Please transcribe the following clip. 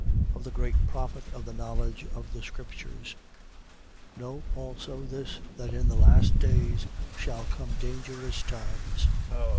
Of the great profit of the knowledge of the scriptures. 3:1. Know also this, that in the last days shall come dangerous times.